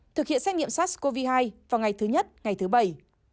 thực hiện xét nghiệm sars cov hai vào ngày thứ nhất ngày thứ bảy